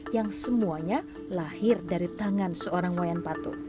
yang semuanya lahir dari tangan seorang wayan patung